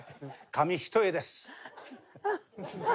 紙一重です。